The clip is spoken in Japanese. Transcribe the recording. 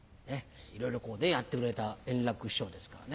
いろいろここでやってくれた円楽師匠ですからね。